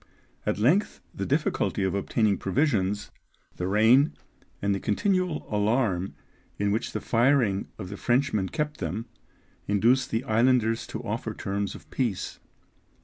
At length the difficulty of obtaining provisions, the rain, and the continual alarm in which the firing of the Frenchmen kept them, induced the islanders to offer terms of peace.